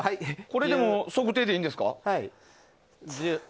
これで即測定でいいんですね。